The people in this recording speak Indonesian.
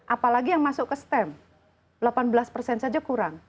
apalagi yang masuk ke stem delapan belas persen saja kurang